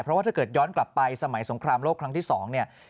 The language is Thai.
เพราะว่าถ้าเกิดย้อนกลับไปสมัยสงครามโลกครั้งที่๒เนี่ย